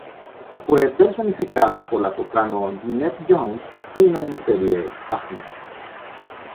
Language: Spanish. Fue personificada por la soprano Gwyneth Jones en la miniserie Wagner.